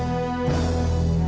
kamu bisa lihat sendiri